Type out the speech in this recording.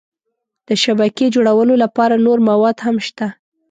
د شبکې جوړولو لپاره نور مواد هم شته.